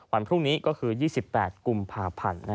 วันพรุ่งนี้ก็คือ๒๘กลุ่มผ่าผ่าน